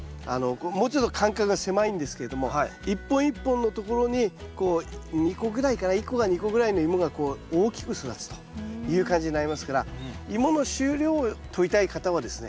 もうちょっと間隔が狭いんですけれども一本一本のところにこう２個ぐらいかな１個か２個ぐらいのイモがこう大きく育つという感じになりますからイモの収量をとりたい方はですね